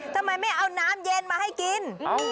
ทำไมไม่เอาน้ำเย็นมาให้กิน